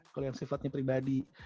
kalau yang sifatnya pribadi